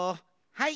はい！